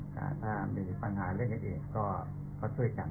ถ้ามีปัญหาเรื่องอย่างนี้ก็ช่วยกัน